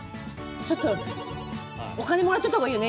ちょっとお金もらっといたほうがいいよね？